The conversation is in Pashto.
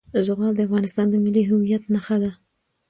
زغال د افغانستان د ملي هویت نښه ده.